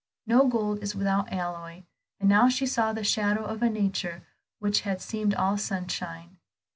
No gold is without alloy, and now she saw the shadow of a nature which had seemed all sunshine.